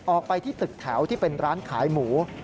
ออกไปที่ตึกแถวที่เป็นร้านขายหมู